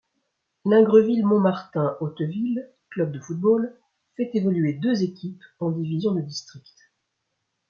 Lingreville-Montmartin-Hauteville, club de football, fait évoluer deux équipes en divisions de district.